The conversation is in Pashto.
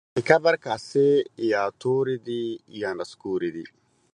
د کبر کاسې يا توري دي يا نسکوري دي.